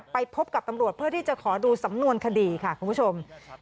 ไปพบกับตำรวจเพื่อที่จะขอดูสำนวนคดีค่ะคุณผู้ชม